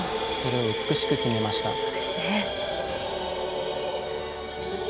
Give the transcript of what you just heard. それを美しく決めました。